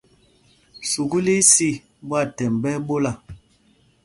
Sukúl í í sî, ɓwâthɛmb ɓɛ́ ɛ́ ɓola.